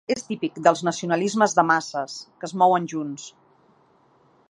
És típic dels nacionalismes de masses, que es mouen junts.